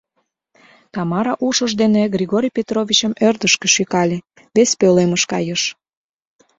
Тамара ушыж дене Григорий Петровичым ӧрдыжкӧ шӱкале, вес пӧлемыш кайыш.